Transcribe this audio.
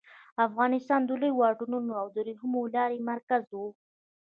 افغانستان د لویو واټونو د ورېښمو لارې مرکز و